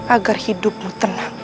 agar hidupmu tenang